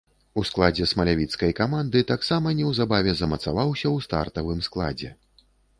У складзе смалявіцкай каманды таксама неўзабаве замацаваўся ў стартавым складзе.